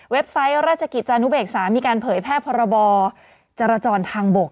ไซต์ราชกิจจานุเบกษามีการเผยแพร่พรบจรจรทางบก